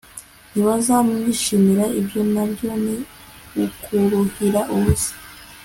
ntibazamwishimira. ibyo na byo ni ukuruhira ubusa